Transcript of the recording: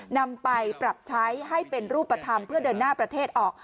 นำไปปรับใช้ให้เป็นรูปธรรมเพื่อเดินหน้าประเทศออก